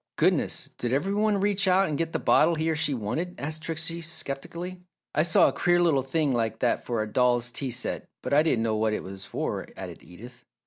"Goodness! Did every one reach out and get the bottle he or she wanted?" asked Trixie, sceptically. "I saw a queer little thing like that for a doll's tea set but I didn't know what it was for," added Edith.